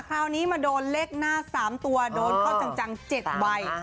คราวนี้มาโดนเลขหน้า๓ตัวโดนเข้าจัง๗ใบ